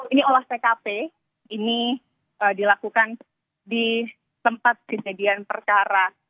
ini olah tkp ini dilakukan di tempat kejadian perkara